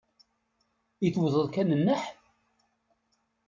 I tewteḍ kan nneḥ?